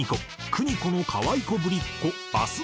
『邦子のかわい子ぶりっ子』。